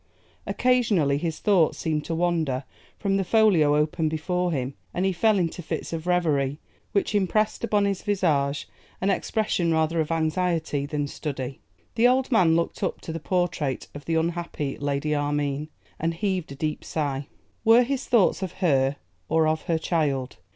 Occasionally his thoughts seemed to wander from the folio opened before him, and he fell into fits of reverie which impressed upon his visage an expression rather of anxiety than study. The old man looked up to the portrait of the unhappy Lady Armine, and heaved a deep sigh. Were his thoughts of her or of her child?